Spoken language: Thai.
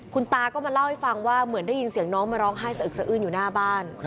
คุณตาก็มาเล่าให้ฟังว่าเหมือนได้ยินเสียงน้องมาร้องไห้สะอึกสะอื้นอยู่หน้าบ้าน